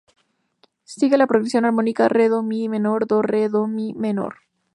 Sigue la progresión armónica "re"-"do"-"mi" menor-"do"-"re"-"do"-"mi" menor.